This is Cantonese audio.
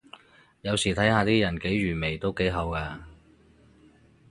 有時睇下啲人幾愚昧都幾好咖